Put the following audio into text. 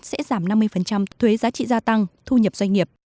sẽ giảm năm mươi thuế giá trị gia tăng thu nhập doanh nghiệp